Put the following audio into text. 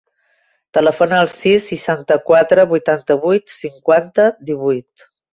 Telefona al sis, seixanta-quatre, vuitanta-vuit, cinquanta, divuit.